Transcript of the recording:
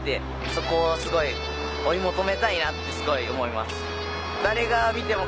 そこを追い求めたいなってすごい思います。